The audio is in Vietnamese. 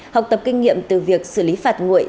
học tập kinh nghiệm từ việc xử lý phạt nguội